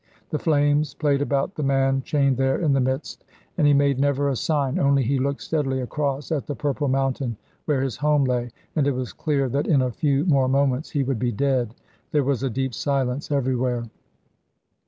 The flames played about the man chained there in the midst, and he made never a sign; only he looked steadily across at the purple mountain where his home lay, and it was clear that in a few more moments he would be dead. There was a deep silence everywhere.